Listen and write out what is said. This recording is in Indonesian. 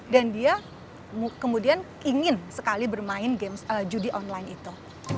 dan dia kemudian ingin sekali bermain judi online itu